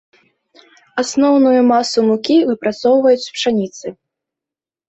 Асноўную масу мукі выпрацоўваюць з пшаніцы.